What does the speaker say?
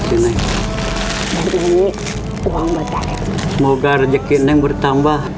semoga rejeki neng bertambah